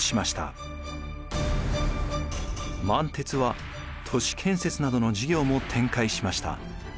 満鉄は都市建設などの事業も展開しました。